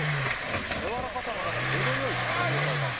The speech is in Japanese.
「やわらかさの中にほどよいかみ応えがあり」